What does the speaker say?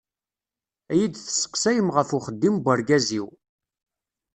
Ad iyi-d-testeqsayem ɣef uxeddim n ugraz-iw.